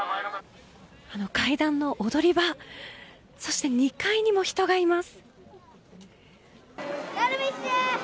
階段の踊り場そして、２階にも人がいます。